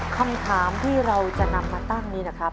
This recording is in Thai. คำถามที่เราจะนำมาตั้งนี้นะครับ